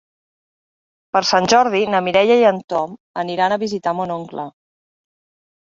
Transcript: Per Sant Jordi na Mireia i en Tom aniran a visitar mon oncle.